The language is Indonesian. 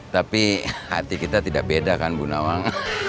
tapi hati kita tidak beda kan bu nawang